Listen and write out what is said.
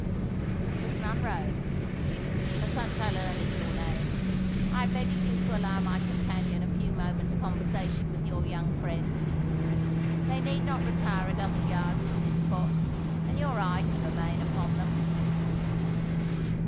"Miss Monroe," he said,—"for such, I learn, is your name,—I beg of you to allow my companion a few moments' conversation with your young friend. They need not retire a dozen yards from this spot; and your eye can remain upon them."